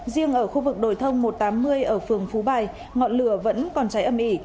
riêng ở khu vực đồi thông một trăm tám mươi ở phường phú bài ngọn lửa vẫn còn cháy âm ỉ